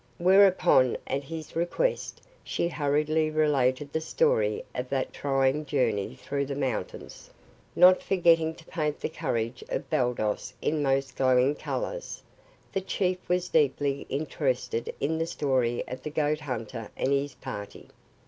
Whereupon, at his request, she hurriedly related the story of that trying journey through the mountains, not forgetting to paint the courage of Baldos in most glowing colors. The chief was deeply interested in the story of the goat hunter and his party.